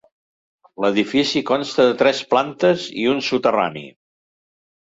L'edifici consta de tres plantes i un soterrani.